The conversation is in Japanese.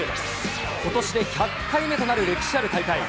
ことしで１００回目となる歴史ある大会。